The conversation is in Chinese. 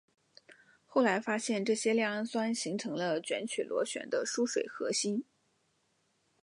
后来发现这些亮氨酸形成了卷曲螺旋的疏水核心。